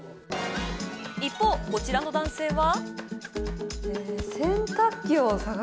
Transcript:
一方、こちらの男性は。